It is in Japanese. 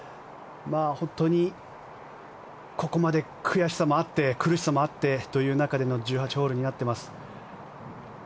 本当にここまで悔しさもあって苦しさもあってという中での１８ホールになっています。